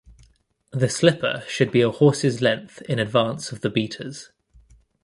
The slipper should be a horse's length in advance of the beaters.